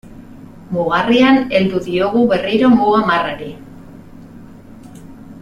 Mugarrian heldu diogu berriro muga marrari.